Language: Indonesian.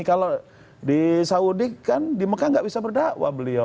kalau di saudi kan di mekah nggak bisa berdakwah beliau